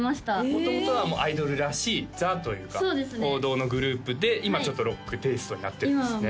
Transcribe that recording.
元々はアイドルらしい「ザ」というか王道のグループで今ちょっとロックテイストになってるんですね